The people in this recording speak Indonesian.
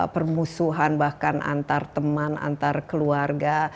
permusuhan bahkan antar teman antar keluarga